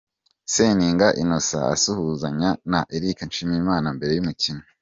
Seninga Innocent asuhuzanya na Eric Nshimiyimana mbere y'umukino.